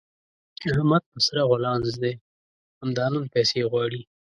احمد په سره غولانځ دی؛ همدا نن پيسې غواړي.